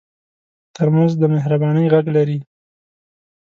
ترموز د مهربانۍ غږ لري.